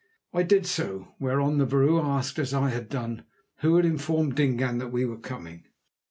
I did so, whereon the vrouw asked as I had done, who had informed Dingaan that we were coming.